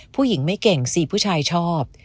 ผู้หญิงไม่เก่งสิผู้ชายชอบ